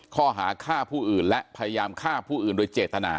ข้อหาฆ่าผู้อื่นและพยายามฆ่าผู้อื่นโดยเจตนา